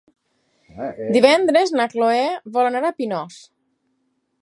Divendres na Cloè vol anar a Pinós.